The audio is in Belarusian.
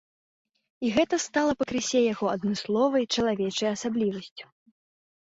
І гэта стала пакрысе яго адмысловай чалавечай асаблівасцю.